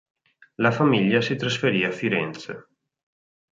La famiglia si trasferì a Firenze.